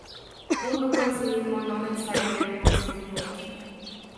Un grupo en sí mismo no necesariamente constituye un equipo.